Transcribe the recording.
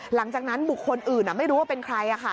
หลังจากนั้นบุคคลอื่นไม่รู้ว่าเป็นใคร